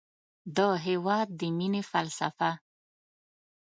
د هېواد د مینې فلسفه